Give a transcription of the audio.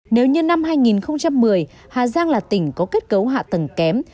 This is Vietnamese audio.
nếu như năm hai nghìn một mươi hà giang là tỉnh có kết cấu hạ tầng kém